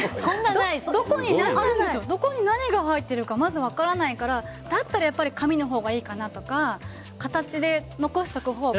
どこに何が入ってるかまず分からないからだったら紙のほうがいいかなとか形で残しておくほうが。